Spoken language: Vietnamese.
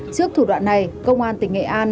trước thủ đoạn này công an tỉnh nghệ an